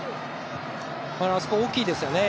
あそこは大きいですよね。